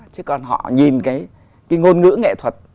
chứ còn họ nhìn cái ngôn ngữ nghệ thuật